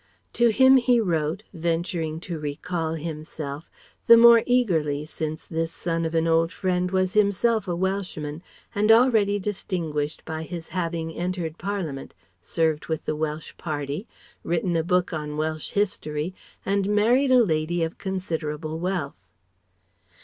To him he wrote, venturing to recall himself, the more eagerly since this son of an old friend was himself a Welshman and already distinguished by his having entered Parliament, served with the Welsh Party, written a book on Welsh history, and married a lady of considerable wealth.